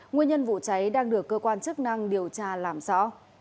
nguyên nhân vụ cháy đang được cơ quan chức năng điều tra làm rõ